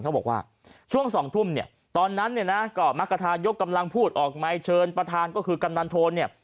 เค้าบอกว่าช่วง๒ทุ่มเนี่ยตอนนั้นมรรคธายกกำลังพูดออกมายเชิญประธานก็คือกำลังโทนเนี่ย